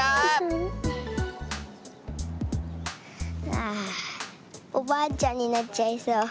ああおばあちゃんになっちゃいそう。